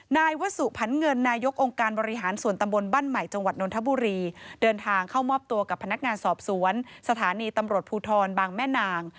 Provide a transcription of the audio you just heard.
นายวสุผันเงินนายกองค์การบริหารส่วนตำบลบ้านใหม่จังหวัดนทบุรีเดินทางเข้ามอบตัวกับพนักงานสอบสวนสถานีตำรวจภูทรบางแม่นาง